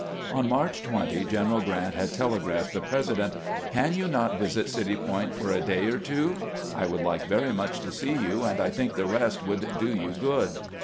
On March 20 General Grant had telegraphed the President :" Can you not visit City Point for a day or two ? I would like very much to see you, and I think the rest would do you good."